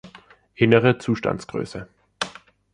Innere Zustandsgröße